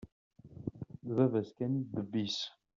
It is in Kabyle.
D baba-s kan i d ddeb-is.